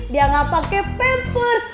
dia gak pake pampers